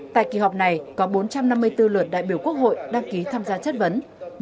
tại kỳ họp này có bốn trăm năm mươi bốn luật đại biểu quốc hội đăng ký tham gia chất vấn